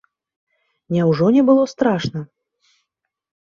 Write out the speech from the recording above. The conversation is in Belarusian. Няўжо не было страшна?